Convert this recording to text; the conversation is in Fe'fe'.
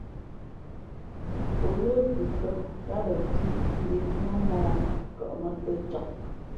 O lə̌ khʉkhʉ̄α yāā lαpī mbīʼtǔmά mōh kα mᾱ tēn cak.